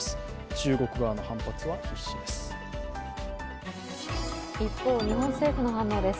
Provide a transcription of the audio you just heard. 中国側の反発は必至です。